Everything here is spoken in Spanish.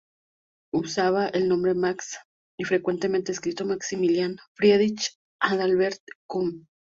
Usaba el nombre "Max," y frecuentemente escrito "Maximilian Friedrich Adalbert Kuhn.